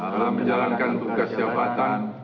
dalam menjalankan tugas jabatan